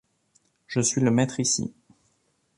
Je suis le maître ici.